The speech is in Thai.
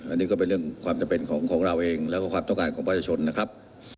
อันนี้ก็เป็นเรื่องความจำเป็นของเราเองแล้วก็ความต้องการของประชาชนนะครับ